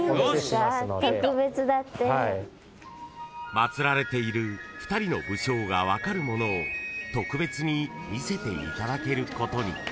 ［祭られている２人の武将が分かるものを特別に見せていただけることに］